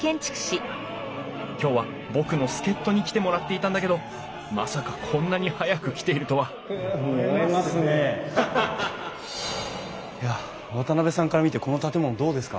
今日は僕の助っとに来てもらっていたんだけどまさかこんなに早く来ているとはいや渡さんから見てこの建物どうですか？